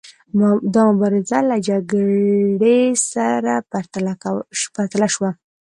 دا مبارزه له جګړې سره پرتله شوه.